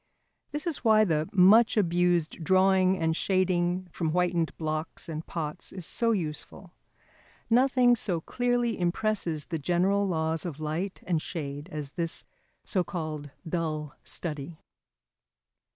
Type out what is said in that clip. This is why the much abused drawing and shading from whitened blocks and pots is so useful. Nothing so clearly impresses the general laws of light and shade as this so called dull study.